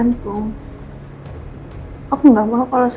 aku gak mau beri kakak watanya